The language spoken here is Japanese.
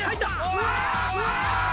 ・うわ！